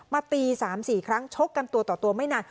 มาตี๓๔ครั้งโชคกันตัวไม่นาน